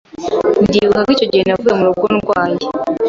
ndibuka ko icyo gihe navuye mu rugo ndwaye